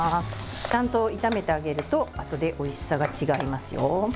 ちゃんと炒めてあげるとあとで、おいしさが違いますよ。